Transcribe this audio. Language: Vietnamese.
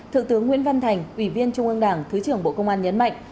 thượng tướng nguyễn văn thành ủy viên trung ương đảng thứ trưởng bộ công an nhấn mạnh